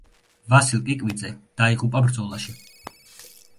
ვასილ კიკვიძე დაიღუპა ბრძოლაში.